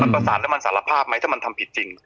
ประสานแล้วมันสารภาพไหมถ้ามันทำผิดจริง